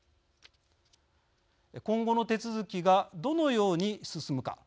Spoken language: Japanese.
今後の手続きがどのように進むか。